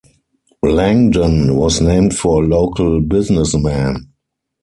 Langdon was named for a local businessman.